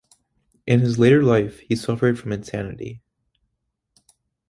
In his later life, he suffered from insanity.